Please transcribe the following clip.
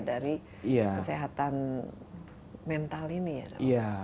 dari kesehatan mental ini ya namanya